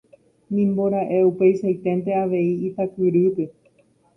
Nimbora'e upeichaiténte avei Itakyrýpe.